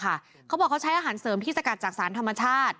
เขาบอกเขาใช้อาหารเสริมที่สกัดจากสารธรรมชาติ